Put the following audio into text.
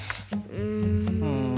うん。